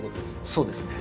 そうですね。